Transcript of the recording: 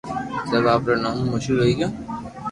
سب آپري نوم مون مݾھور ھوئي گيو